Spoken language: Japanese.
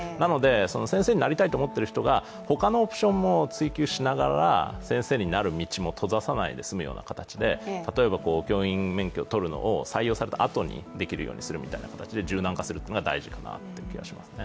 先生になりたいと思っている人が、ほかのオプションも追求しながらほかの道も閉ざさないような形で例えば教員免許を取るのを採用されたあとにできるようにするとか柔軟化するというのが大事かなという気がします。